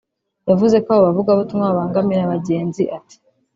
yavuze ko aba bavugabutumwa babangamira abagenzi ; ati